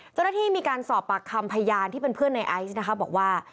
เจ้าหน้าที่มีการสอบปากคำพยานที่เป็นเพื่อนในไอซ์นะคะบอกว่า